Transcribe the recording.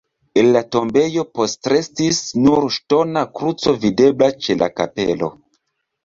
El la tombejo postrestis nur ŝtona kruco videbla ĉe la kapelo.